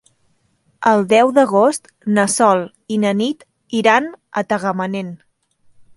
El deu d'agost na Sol i na Nit iran a Tagamanent.